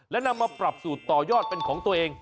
และนำมาปรับสูตรต่อยอดเป็นของตัวเอง